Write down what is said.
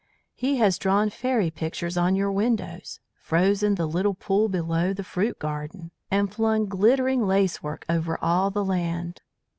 He has drawn fairy pictures on your windows, frozen the little pool below the fruit garden, and flung glittering lace work over all the land.